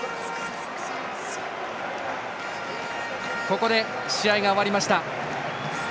ここで試合が終わりました。